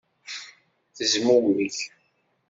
Tezmumeg.